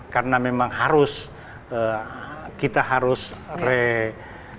karena memang harus kita harus perbaikan kembali dari struktur yang pengelolaan itu